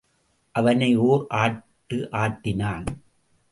அவனை ஓர் ஆட்டு ஆட்டினான்.